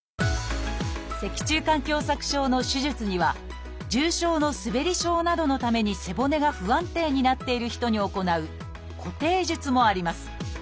脊柱管狭窄症の手術には重症のすべり症などのために背骨が不安定になっている人に行う「固定術」もあります。